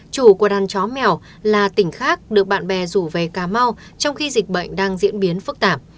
chủ của đàn chó mèo là tỉnh khác được bạn bè rủ về cà mau trong khi dịch bệnh đang diễn biến phức tạp